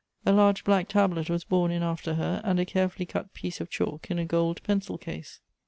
A large black tablet was borne in after her, and a careftilly cut piece of chalk in a gold pencil case.